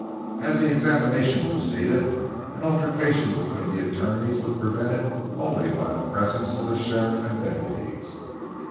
As the examination proceeded, an altercation between the attorneys was prevented only by the presence of the sheriff and deputies.